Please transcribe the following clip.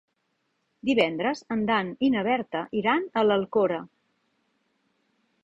Divendres en Dan i na Berta iran a l'Alcora.